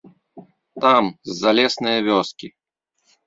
Там, з залеснае вёскі.